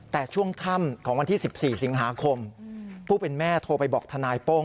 แต่ช่วงค่ำของวันที่๑๔สิงหาคมผู้เป็นแม่โทรไปบอกทนายโป้ง